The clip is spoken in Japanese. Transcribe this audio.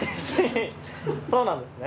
そうなんですね。